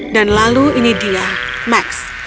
dan lalu ini dia max